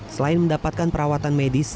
selain mendapatkan perawatan medis